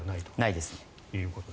ないです。